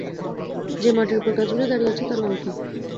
যে-মাটির উপর গাছগুলি দাঁড়িয়ে আছে, তার রঙ কী?